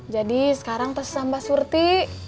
jadi sekarang tersesah mbak surti